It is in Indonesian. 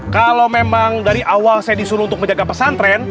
kalau memang dari awal saya disuruh untuk menjaga pesantren